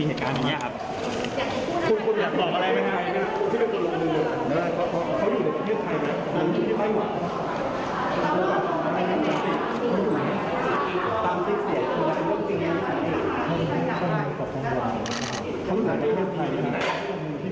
เขาสนิทกับเรามากเขาดูแลเราดีมากทำไมถึงมีเหตุการณ์แบบนี้ครับ